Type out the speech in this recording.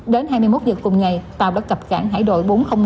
đến hai mươi một nhật cùng ngày tàu đã cập cản hải đội bốn trăm linh một